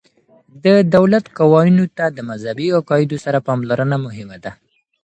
د دولت قوانینو ته د مذهبي عقایدو سره پاملرنه مهمه ده.